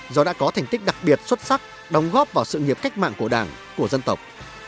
do đã có thành tích đặc biệt xuất sắc đóng góp vào sự nghiệp cách mạng của đảng của dân tộc